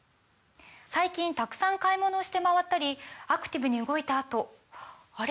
最近たくさん買い物をして回ったりアクティブに動いたあとあれ？